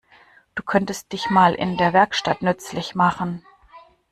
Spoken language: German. Du könntest dich mal in der Werkstatt nützlich machen.